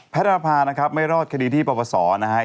แพทย์นับภาพไม่รอดคดีที่ประวัติศาสตร์